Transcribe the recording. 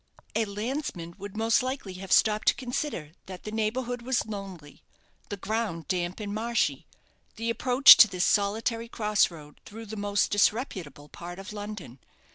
A landsman would most likely have stopped to consider that the neighbourhood was lonely, the ground damp and marshy, the approach to this solitary cross road through the most disreputable part of London.